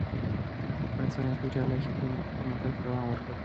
فرانسویانو په اېټالیا کې خپل پرمختګ ته دوام ورکړ.